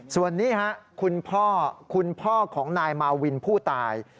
ส่วนนี้ครับคุณพ่อคุณพ่อของนายมาวินผู้ตาย